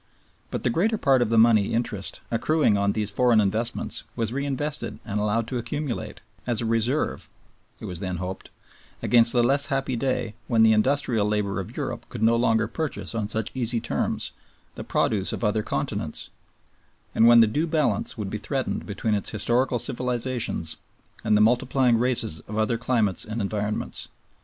But the greater part of the money interest accruing on these foreign investments was reinvested and allowed to accumulate, as a reserve (it was then hoped) against the less happy day when the industrial labor of Europe could no longer purchase on such easy terms the produce of other continents, and when the due balance would be threatened between its historical civilizations and the multiplying races of other climates and environments.